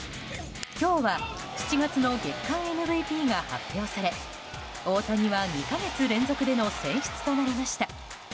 今日は７月の月間ＭＶＰが発表され大谷は２か月連続での選出となりました。